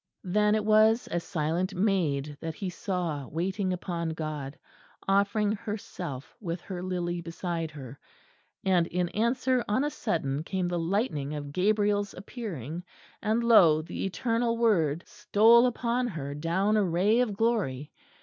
Then it was a silent Maid that he saw waiting upon God, offering herself with her lily beside her; and in answer on a sudden came the lightning of Gabriel's appearing, and, lo! the Eternal Word stole upon her down a ray of glory.